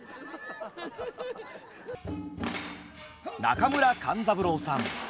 中村勘三郎さん。